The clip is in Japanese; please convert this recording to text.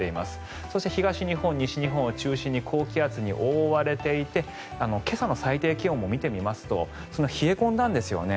そして東日本、西日本を中心に高気圧に覆われていて今朝の最低気温も見てみますと冷え込んだんですよね。